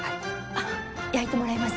あっ焼いてもらいます。